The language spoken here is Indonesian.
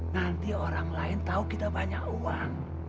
nanti orang lain tahu kita banyak uang